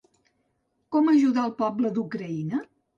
Com ajudar el poble d’Ucraïna?